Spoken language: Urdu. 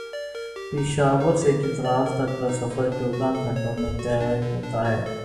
پشاورسے چترال تک کا سفر چودہ گھنٹوں میں طے ہوتا ہے ۔